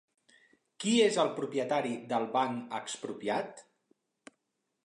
Qui és el propietari del Banc Expropiat?